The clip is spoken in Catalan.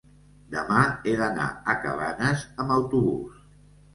demà he d'anar a Cabanes amb autobús.